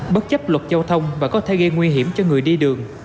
bất chấp luật giao thông và có thể gây nguy hiểm cho người đi đường